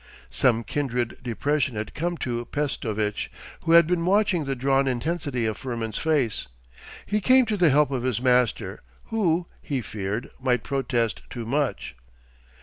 Some kindred depression had come to Pestovitch, who had been watching the drawn intensity of Firmin's face. He came to the help of his master, who, he feared, might protest too much.